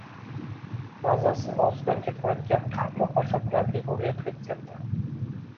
Mazasi og‘izdan ketmaydigan qaymoq va shokoladli rulet retsepti